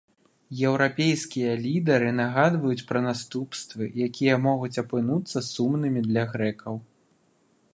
Еўрапейскія лідары нагадваюць пра наступствы, якія могуць апынуцца сумнымі для грэкаў.